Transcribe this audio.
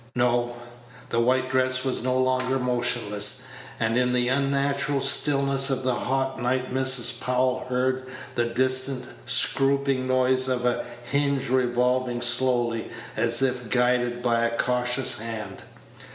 No! The white dress was no longer motionless, and in the unnatural stillness of the hot night Mrs. Powell heard the distant, scrooping noise of a hinge revolving slowly, as if guided by a cautious hand.